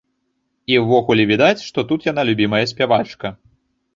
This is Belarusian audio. І ўвогуле відаць, што тут яна любімая спявачка.